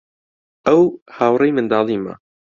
ئەو هاوڕێی منداڵیمە.